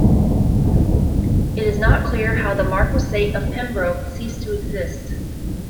It is not clear how the Marquessate of Pembroke ceased to exist.